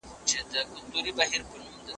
د تېروتنو اصلاح ته يې فرصت ورکاوه.